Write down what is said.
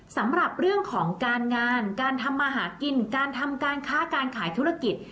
สำหรับเรื่องของการงานการทำมาหากินการทำการค้าการขายธุรกิจ